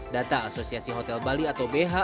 data asosiasi hotel bali atau bh